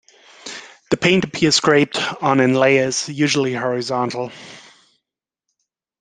The paint appears scraped on in layers, usually horizontal.